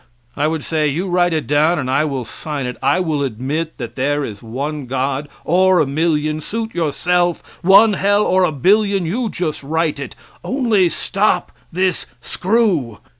I would say: "You write it down and I will sign it I will admit that there is one God, or a million suit yourself; one hell or a billion; you just write it only stop this screw.